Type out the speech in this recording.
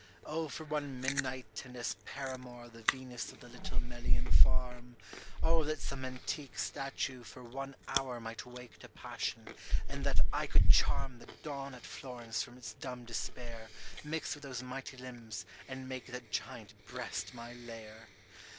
O for one midnight and as paramour The Venus of the little Melian farm ! O that some antique statue for one hour Might wake to passion, and that I could charm The Dawn at Florence from its dumb despair Mix with those mighty limbs and make that giant breast my lair